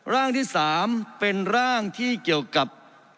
ร่างที่๓เป็นร่างที่เกี่ยวกับ